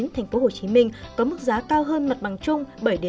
tp hcm có mức giá cao hơn mặt bằng chung bảy một mươi năm